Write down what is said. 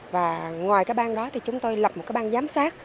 và ngoài các bang đó thì chúng tôi lập một cái bang giám sát